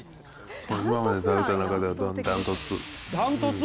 これ、今まで食べた中では断トツ。